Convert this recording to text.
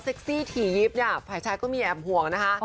ซี่ถี่ยิบเนี่ยฝ่ายชายก็มีแอบห่วงนะคะ